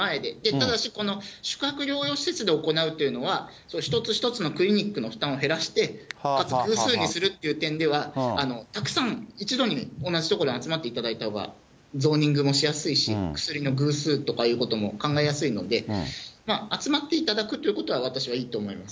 ただしこの、宿泊療養施設で行うというのは、一つ一つのクリニックの負担を減らして、偶数にするという点ではたくさん、一度に同じ所に集まっていただいたほうがゾーニングもしやすいし、薬の偶数とかいうことも考えやすいので、集まっていただくということは、私はいいと思います。